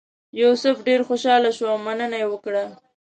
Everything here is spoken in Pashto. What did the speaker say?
یوسف ډېر خوشاله شو او مننه یې وکړه.